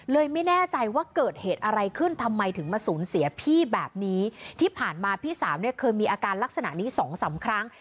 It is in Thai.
ไม่แน่ใจว่าเกิดเหตุอะไรขึ้นทำไมถึงมาสูญเสียพี่แบบนี้ที่ผ่านมาพี่สาวเนี่ยเคยมีอาการลักษณะนี้สองสามครั้ง